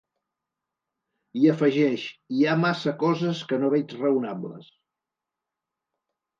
I afegeix: Hi ha massa coses que no veig raonables.